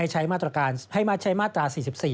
ให้มาใช้มาตรา๔๔